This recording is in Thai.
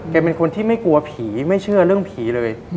เป็นคนที่ไม่กลัวผีไม่เชื่อเรื่องผีเลย